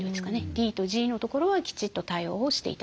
ＤとＧのところはきちっと対応をして頂きたい。